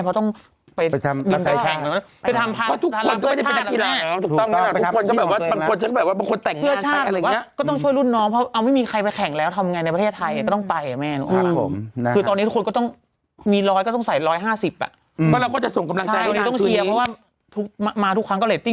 เพราะต้องไปดินการไปทำภาระเพื่อชาติ